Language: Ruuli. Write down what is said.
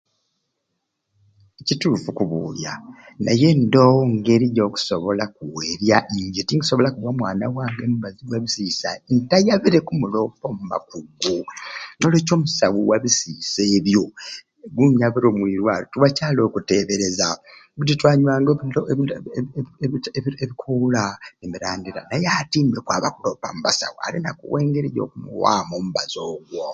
Kituffu okubulya naye ndowo ngeri jokusobola kuweerya mwana wange mubaazi gwabisisa ntayabire okumuloopa omubakugu nolwekyo omusawu owabisisa ebyo bwenyabire omuirwaro tiwakyaliwo kutebereza budi twanywanga ebita ebita ebikola nemirandira naye atimbe okwaba kuloopa mubasawo ale nakuwa engeri jokwewamu ombaazi ogwo.